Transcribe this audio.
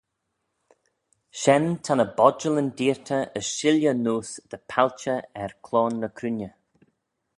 Shen ta ny bodjallyn deayrtey as shilley neose dy palchey er cloan ny cruinney.